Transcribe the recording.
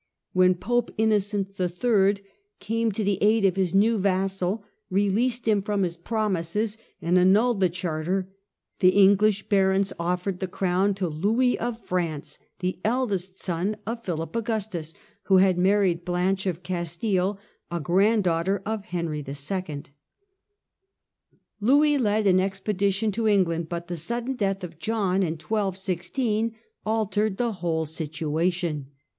When Pope Innocent III. came to the aid of his new vassal, released him from his promises and annulled the Charter, the English barons offered the crown to Louis of France, the eldest son of Philip Augustus, who had married Blanche Expedition of Castilc, a grand daughtcr of Henry II. Louis led an FraiiTe to^ expedition to England, but the sudden death of John in ^"f^^^d 1216 altered the whole situation.